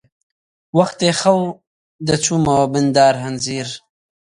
وەختی خەو دەچوومەوە بن دارەهەنجیر